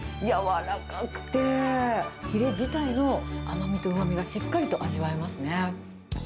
軟らかくてヒレ自体の甘みとうまみがしっかりと味わえますね。